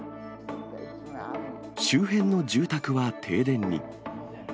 周辺の住宅は停電に。